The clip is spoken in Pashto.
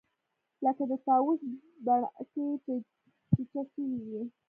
لکه د طاووس بڼکې چې چجه سوې وي.